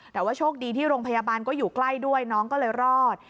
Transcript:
แต่ว่าโชคดีที่โรงพยาบาลก็อยู่ใกล้ด้วยน้องก็เลยรอด